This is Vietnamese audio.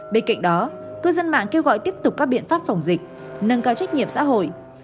bên cạnh đó cư dân mạng kêu gọi tiếp tục các biện pháp phòng dịch nâng cao trách nhiệm xã hội